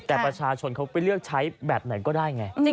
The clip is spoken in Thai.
แต่ประชาชนเขาไปเลือกใช้แบบไหนก็ได้ไง